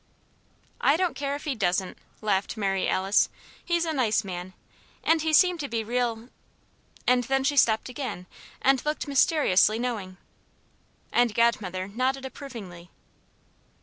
"I don't care if he doesn't," laughed Mary Alice; "he's a nice man, and he seemed to be real " And then she stopped again and looked mysteriously knowing. And Godmother nodded approvingly.